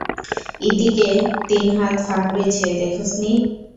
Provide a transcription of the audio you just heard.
ইদিকে তিন হাত ফাঁক রইছে দেখছ নি?